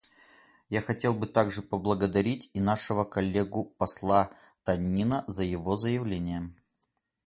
Я хотел бы также поблагодарить и нашего коллегу посла Танина за его заявление.